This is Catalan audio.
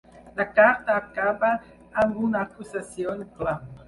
La carta acaba amb una acusació i un clam.